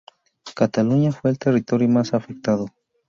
Cataluña fue el territorio más afectado.